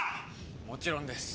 もちろんです。